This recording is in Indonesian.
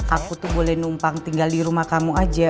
aku tuh boleh numpang tinggal di rumah kamu aja